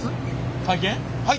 はい！